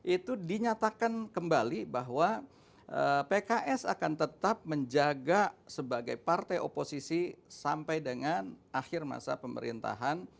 itu dinyatakan kembali bahwa pks akan tetap menjaga sebagai partai oposisi sampai dengan akhir masa pemerintahan